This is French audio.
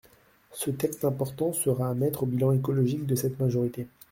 Ce texte important sera à mettre au bilan écologique de cette majorité.